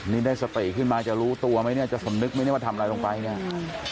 นี่ได้สติขึ้นมาจะรู้ตัวไหมเนี่ยจะสำนึกไหมเนี่ยว่าทำอะไรลงไปเนี่ย